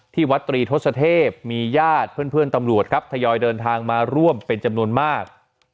วัดตรีทศเทพมีญาติเพื่อนตำรวจครับทยอยเดินทางมาร่วมเป็นจำนวนมาก